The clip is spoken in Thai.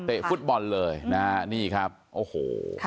เทะฟุตบอลเลยนะนี่ครับโอะโห